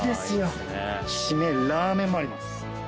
締めラーメンもあります。